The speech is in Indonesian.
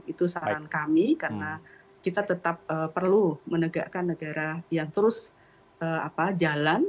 itu saran kami karena kita tetap perlu menegakkan negara yang terus jalan